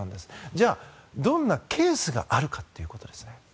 じゃあ、どんなケースがあるかということですね。